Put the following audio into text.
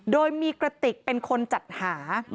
โดยมีกระติกเป็นคนจัดหา